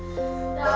tapi juga karena